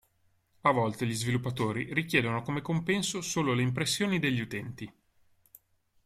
A volte gli sviluppatori richiedono come compenso solo le impressioni degli utenti.